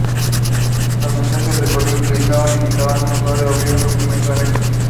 Los mensajes de correo utilizados invitan al usuario a abrir un documento anexo.